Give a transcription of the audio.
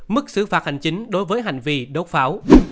mức xử phạt hành chính đối với hành vi đốt pháo